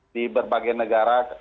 di berbagai negara